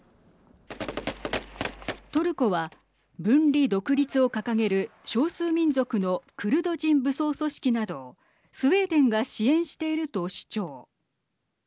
トルコは、分離独立を掲げる少数民族のクルド人武装組織などをスウェーデンが支援していると主張。